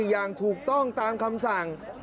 อย่างถูกต้องตามคำสั่ง